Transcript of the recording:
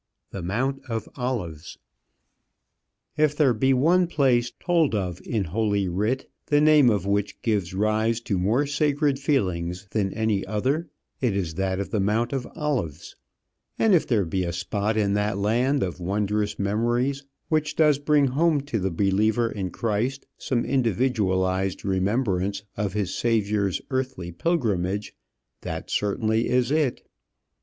THE MOUNT OF OLIVES. If there be one place told of in holy writ, the name of which gives rise to more sacred feelings than any other, it is that of the Mount of Olives; and if there be a spot in that land of wondrous memories which does bring home to the believer in Christ some individualized remembrance of his Saviour's earthly pilgrimage, that certainly is it.